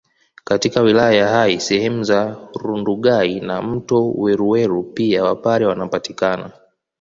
Katika wilaya ya Hai sehemu za Rundugai na mto Weruweru pia wapare wanapatikana